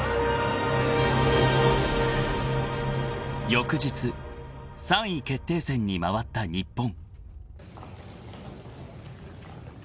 ［翌日３位決定戦に回った日本］